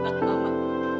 dan itu gak berlebihan